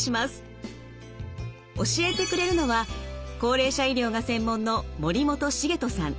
教えてくれるのは高齢者医療が専門の森本茂人さん。